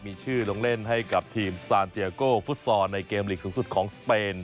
มีชื่อลงเล่นให้กับทีมซานเตียโก้ฟุตซอลในเกมลีกสูงสุดของสเปน